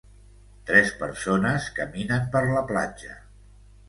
Tres persones caminen per la platja.